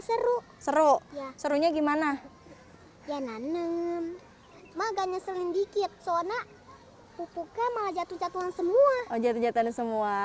seru seru serunya gimana ya nanem maganya seling dikit zona pupuknya malah jatuh jatuhan semua